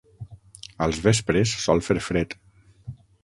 Als vespres sol fer fred.